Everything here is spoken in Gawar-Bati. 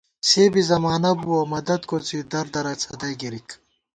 سےبی زمانہ بُوَہ یَک ، مدد کوڅی در دَرہ څھدَئی گِرِک